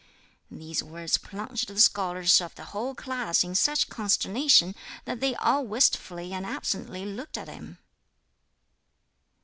These words plunged the scholars of the whole class in such consternation that they all wistfully and absently looked at him.